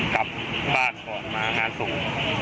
กลับบ้านก่อนมาหาส่ง